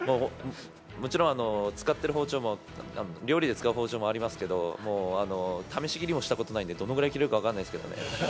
もちろん使ってる包丁も、料理で使う包丁もありますけど、試し切りもしたことないんで、どのぐらい切れるか分かんないですけどね。